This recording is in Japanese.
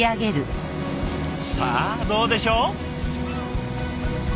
さあどうでしょう？